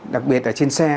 đặc biệt là trên xe